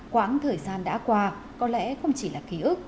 quãng thời gian đã qua có lẽ không chỉ là ký ức